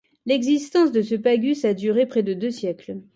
L'existence de ce pagus a duré près de deux siècles.